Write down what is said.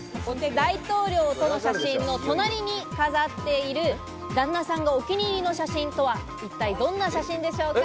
大統領との写真の隣に飾っている、旦那さんがお気に入りの写真とは一体どんな写真でしょうか。